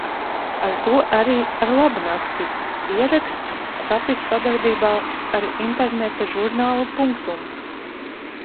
Ar to arī – arlabunakti! Ieraksts tapis sadarbībā ar interneta žurnālu Punctum